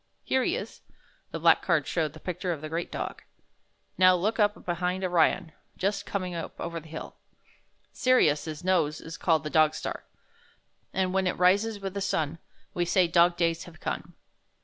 Here he is!" The black card showed the picture of the Great Dog. ''NoAv look up behind Orion, just coming up over the hill. Si'ri us, his nose, is called 21 the dog star, and when it rises with the sun, we say dog days have come."